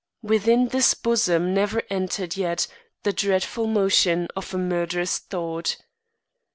Within this bosom never enter'd yet The dreadful motion of a murd'rous thought.